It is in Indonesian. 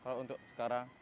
kalau untuk sekarang